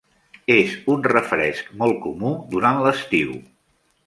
És un refresc molt comú durant l"estiu.